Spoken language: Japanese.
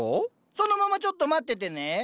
そのままちょっと待っててね。